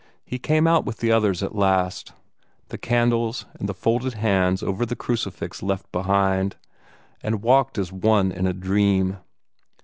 He came out with the others at last the candles and the folded hands over the crucifix left behind and walked as one in a dream.